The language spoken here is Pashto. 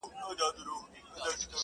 زموږ په سیوري کي جامونه کړنګېدلای -